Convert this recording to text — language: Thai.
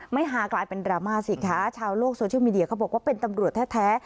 ฮากลายเป็นดราม่าสิคะชาวโลกโซเชียลมีเดียเขาบอกว่าเป็นตำรวจแท้